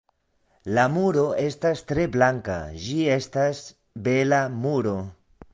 La muro estas tre blanka, ĝi estas bela muro.